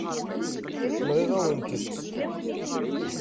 Nɣiɣ-awen-tent.